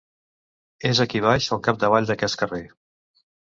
És aquí baix, al capdavall d'aquest carrer.